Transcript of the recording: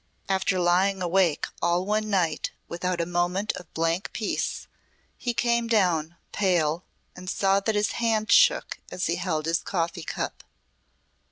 After lying awake all one night without a moment of blank peace he came down pale and saw that his hand shook as he held his coffee cup.